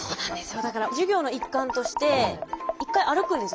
だから授業の一環として一回歩くんですよ